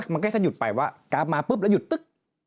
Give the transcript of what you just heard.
มันก็สะหยุดไปว่ากราฟมาปุ๊บแล้วหยุดตึ๊ก